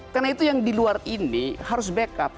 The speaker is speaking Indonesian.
karena itu yang di luar ini harus backup